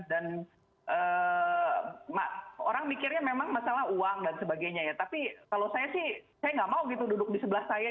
dan orang mikirnya memang masalah uang dan sebagainya ya tapi kalau saya sih saya nggak mau gitu duduk di sebelah saya